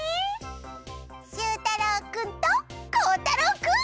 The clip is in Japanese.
しゅうたろうくんとこうたろうくん。